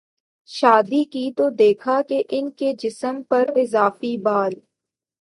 شادی کی تو دیکھا کہ ان کے جسم پراضافی بال